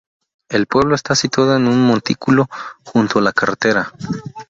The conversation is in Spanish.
El pueblo está situado en un montículo, junto a la carretera.